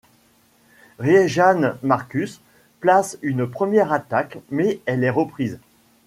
Riejanne Markus place une première attaque, mais elle est reprise.